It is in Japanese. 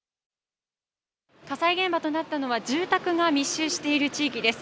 火災現場となったのは、住宅が密集している地域です。